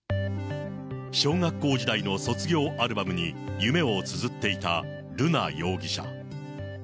小学校時代の卒業アルバムに、夢をつづっていた瑠奈容疑者。